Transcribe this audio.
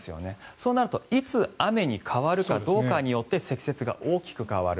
そうなるといつ雨に変わるかどうかによって積雪が大きく変わる。